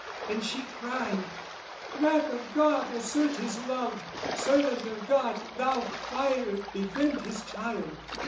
And she cried "Wrath of God, assert His love! "Servant of God, thou fire, befriend His child!"